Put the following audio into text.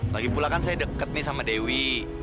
lagi pula kan saya deket nih sama dewi